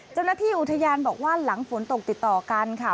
เจ้าหน้าที่อุทยานบอกว่าหลังฝนตกติดต่อกันค่ะ